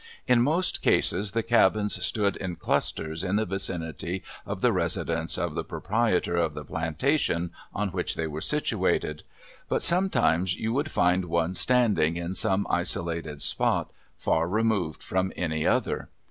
In most cases the cabins stood in clusters in the vicinity of the residence of the proprietor of the plantation on which they are situated. But sometimes you would find one standing in some isolated spot far removed from any other.